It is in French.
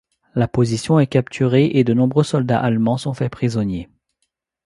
La position est capturée et de nombreux soldats allemands sont faits prisonniers.